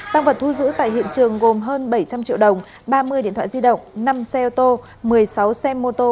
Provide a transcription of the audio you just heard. tăng vật thu giữ tại hiện trường gồm hơn bảy trăm linh triệu đồng ba mươi điện thoại di động năm xe ô tô một mươi sáu xe mô tô